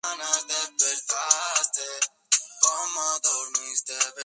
De esta unión nació el príncipe Guillermo Federico.